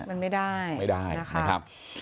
มันไม่ได้ไม่ได้นะครับ